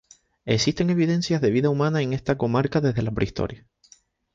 Existen evidencias de vida humana en esta comarca desde la prehistoria.